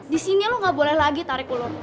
di sini lo gak boleh lagi tarik ulur